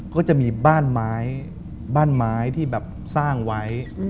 ก็จะมีบ้านไม้บ้านไม้ที่แบบสร้างไว้